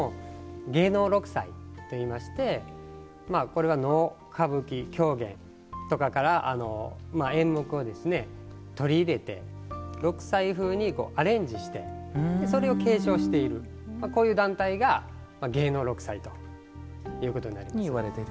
芸能六斎といいましてこれは能、歌舞伎、狂言とかから演目を取り入れて六斎風にアレンジしてそれを継承しているこういう団体が芸能六斎ということになります。